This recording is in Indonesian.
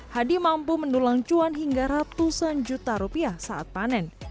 hadi mampu mendulang cuan hingga ratusan juta rupiah saat panen